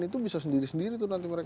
itu bisa sendiri sendiri tuh nanti mereka